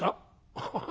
ハハハ